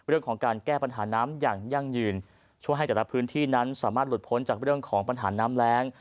เรื่องของการแก้ปัญหาน้ำอย่างยั่งยืนช่วยให้แต่ละพื้นที่นั้นสามารถหลุดพ้นจากเรื่องของปัญหาน้ำแรง